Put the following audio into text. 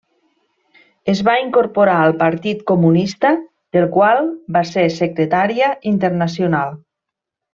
Es va incorporar al Partit Comunista, del qual va ser Secretària Internacional.